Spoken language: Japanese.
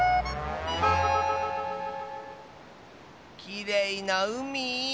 きれいなうみ。